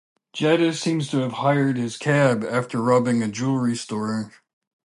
Jadis seems to have "hired" his cab after robbing a jewellery store.